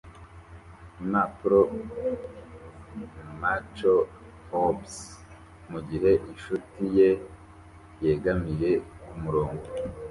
impapuro-mache orbs mugihe inshuti ye yegamiye kumurongo